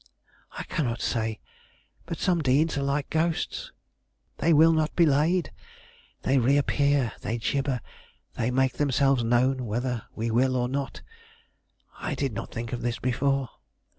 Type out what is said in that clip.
"I cannot say; but some deeds are like ghosts. They will not be laid; they reappear; they gibber; they make themselves known whether we will or not. I did not think of this before.